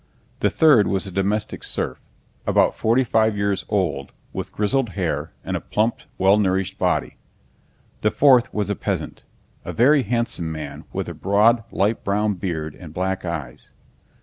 The third was a domestic serf, about forty five years old, with grizzled hair and a plump, well nourished body. The fourth was a peasant, a very handsome man with a broad, light brown beard and black eyes.